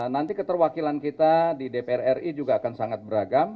nanti keterwakilan kita di dpr ri juga akan sangat beragam